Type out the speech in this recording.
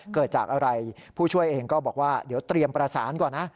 เกิดจากอะไรผู้ช่วยเองก็บอกว่าเดี๋ยวเตรียมประสานก่อนนะ